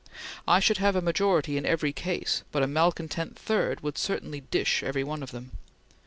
I should have a majority in every case, but a malcontent third would certainly dish every one of them.